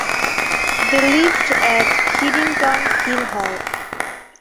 They lived at Headington Hill Hall.